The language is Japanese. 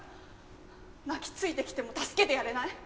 泣きついてきても助けてやれない？